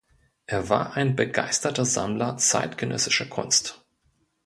Er war ein begeisterter Sammler zeitgenössischer Kunst.